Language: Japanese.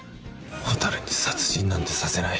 蛍に殺人なんてさせない。